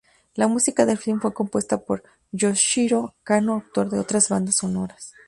La Música del filme fue compuesta por Yoshihiro Kanno autor de otras bandas sonoras.